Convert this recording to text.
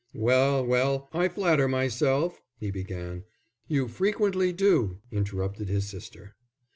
"Well, well, I flatter myself " he began. "You frequently do," interrupted his sister.